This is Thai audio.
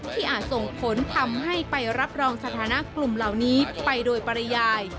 อาจส่งผลทำให้ไปรับรองสถานะกลุ่มเหล่านี้ไปโดยปริยาย